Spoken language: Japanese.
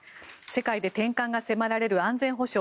世界で転換が迫られる安全保障。